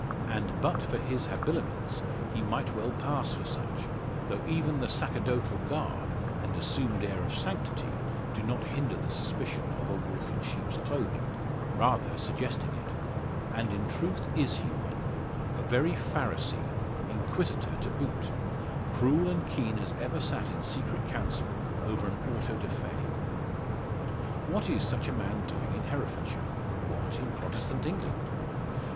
And but for his habiliments he might well pass for such; though even the sacerdotal garb, and assumed air of sanctity, do not hinder the suspicion of a wolf in sheep's clothing rather suggesting it. And in truth is he one; a very Pharisee Inquisitor to boot, cruel and keen as ever sate in secret Council over an Auto da Fe. What is such a man doing in Herefordshire? What, in Protestant England?